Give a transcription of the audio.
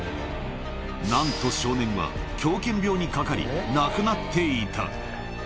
なんと少年は、狂犬病にかかり、亡くなっていた。